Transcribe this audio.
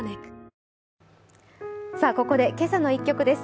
ここで「けさの１曲」です。